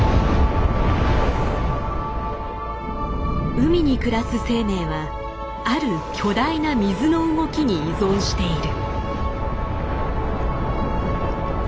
海に暮らす生命はある巨大な水の動きに依存している。